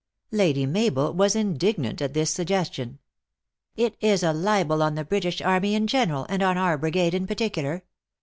Lady Mabel was indignant at this suggestion. " It is a libel on the British army in general, and on our brigade in particular.